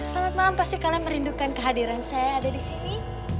selamat malam pasti kalian merindukan kehadiran saya ada disini